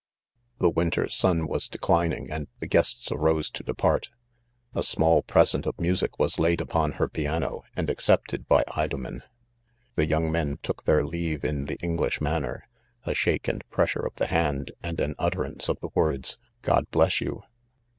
The winter sun was declining and the guests aro'se' to depart, A small present of music was laid! upon her piano, and accepted by Idotnen. The young men took : t heir leave in the Eng lish manner ; a shake and pressure of the hand, and an utterance of the words, " God bless y on